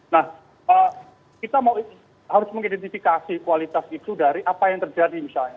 nah kita harus mengidentifikasi kualitas itu dari apa yang terjadi misalnya